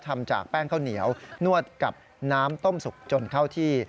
ทำจากแป้งข้าวเหนียวนวดกับน้ำต้มสุกจนเข้าที่